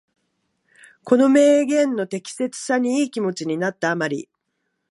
この名言の適切さにいい気持ちになった余り、